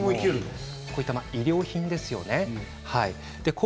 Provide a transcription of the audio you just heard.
こういった衣料品ですよね。